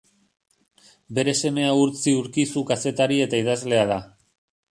Bere semea Urtzi Urkizu kazetari eta idazlea da.